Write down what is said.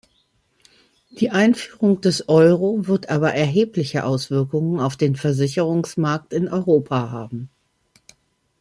Die Einführung des Euro wird aber erhebliche Auswirkungen auf den Versicherungsmarkt in Europa haben.